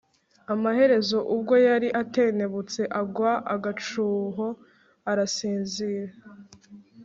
Amaherezo ubwo yari atentebutse agwa agacuho arasinzira